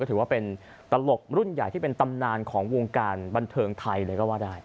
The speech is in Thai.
ถือว่าเป็นตลกรุ่นใหญ่ที่เป็นตำนานของวงการบันเทิงไทยเลยก็ว่าได้